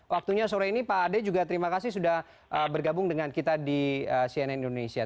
waktunya sore ini pak ade juga terima kasih sudah bergabung dengan kita di cnn indonesia